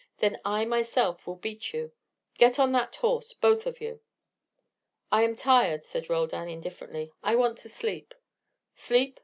Then I myself will beat you. Get on that horse, both of you." "I am tired," said Roldan, indifferently. "I want to sleep." "Sleep?